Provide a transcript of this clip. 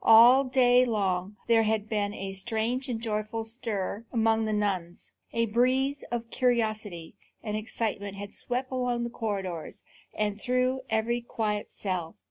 All day long there had been a strange and joyful stir among the nuns. A breeze of curiosity and excitement had swept along the corridors and through every quiet cell.